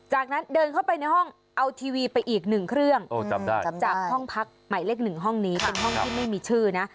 หมายเลขหนึ่งห้องนี้ห้องที่ไม่มีชื่อนะ